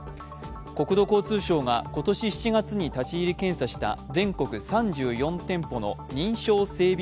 国土交通省が今年７月に立ち入り検査した全国３４店舗の認証整備